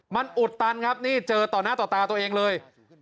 มันอุดตันครับนี่เจอต่อหน้าต่อตาตัวเองเลย